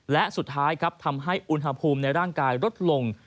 และสุดท้ายครับทำให้อุณหภูมิในร่างกายลดลง